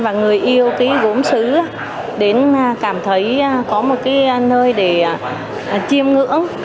và người yêu gốm sứ đến cảm thấy có một nơi để chiêm ngưỡng